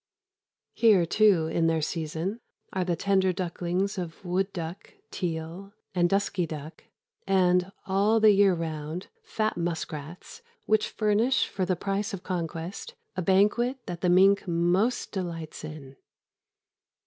Here, too, in their season are the tender ducklings of wood duck, teal, and dusky duck, and, all the year round, fat muskrats, which furnish for the price of conquest a banquet that the mink most delights in.